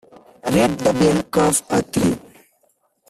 Rate The Bell Curve a three.